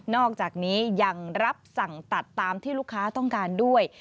อกจากนี้ยังรับสั่งตัดตามที่ลูกค้าต้องการด้วย